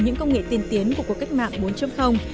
những công nghệ tiên tiến của cuộc cách mạng bốn